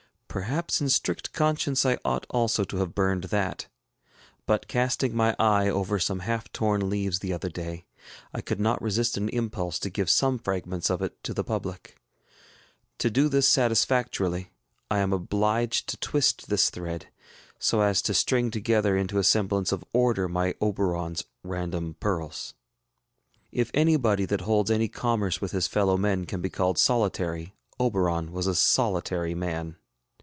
Perhaps in strict conscience I ought also to have burned that; but casting my eye over some half torn leaves the other day, I could not resist an impulse to give some fragments of it to the public. To do this satisfactorily, I am obliged to twist this thread, so as to string together into a semblance of order my OberonŌĆÖs ŌĆ£random pearls. ŌĆØ If anybody that holds any commerce with his fellowmen can be called solitary, Oberon was a ŌĆ£solitary man.